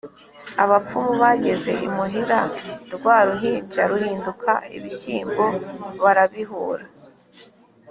abapfumu Bageze imuhira rwa ruhinja ruhinduka ibishyimbo barabihura